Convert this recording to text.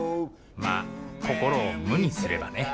まあ心を無にすればね。